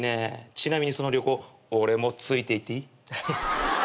ちなみにその旅行俺もついていっていい？